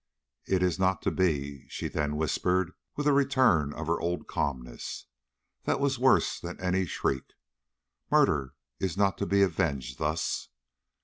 "It is not to be," she then whispered, with a return of her old calmness, that was worse than any shriek. "Murder is not to be avenged thus."